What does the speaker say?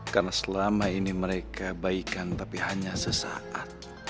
karena selama ini mereka baikan tapi hanya sesaat